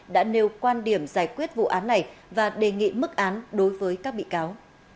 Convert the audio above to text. đã nêu quan điểm giải quyết vụ án này và đề nghị mức án đối với các bị cáo